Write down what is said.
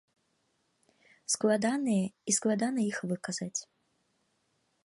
Складаныя і складана іх выказаць.